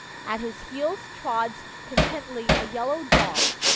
At his heels trots contentedly a yellow dog.